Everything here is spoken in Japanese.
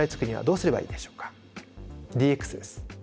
ＤＸです。